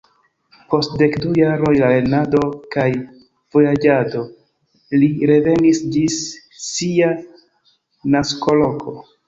Post dek du jaroj de lernado kaj vojaĝado li revenis ĝis sia naskoloko.